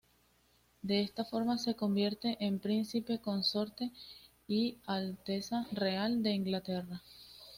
De esta forma se convierte en Príncipe consorte y Alteza Real de Inglaterra.